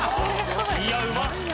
いやうまっ。